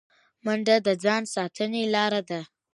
منډه د ځان ساتنې لاره ده